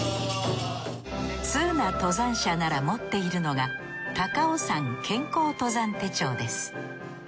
通な登山者なら持っているのが高尾山健康登山手帳です。